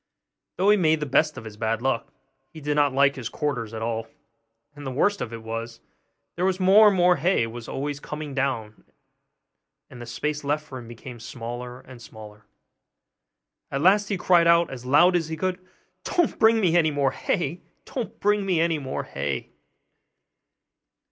Though he made the best of his bad luck, he did not like his quarters at all; and the worst of it was, that more and more hay was always coming down, and the space left for him became smaller and smaller. At last he cried out as loud as he could, 'Don't bring me any more hay! Don't bring me any more hay!